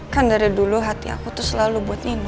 kan dari dulu hati aku tuh selalu buat ibu